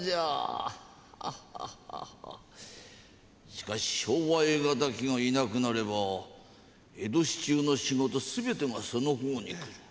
しかし商売敵がいなくなれば江戸市中の仕事全てがその方に来る。